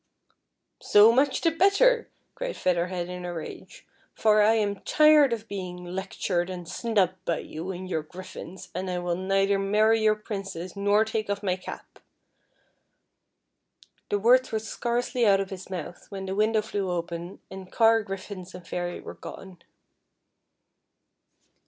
228 FEA THER HEAD. •' So much the better," cried Feather Head in a rage, " for I am tired of being lectured and snubbed by you and your griffins, and I will neither marry your Princess nor take off my cap." The words were scarcely out of his mouth when the window flew open, and car, griffins, and Fairy were gone.